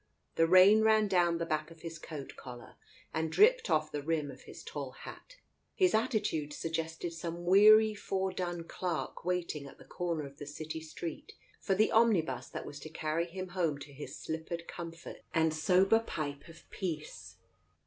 The rain ran down the back of his coat collar, and dripped off the rim of his tall hat. His attitude suggested some weary foredone clerk waiting at the corner of the city street for the omnibus that was to carry him home to his slippered comfort and sober pipe of Digitized by Google THE COACH 133 peace.